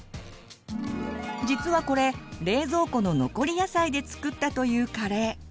実はこれ冷蔵庫の残り野菜で作ったというカレー。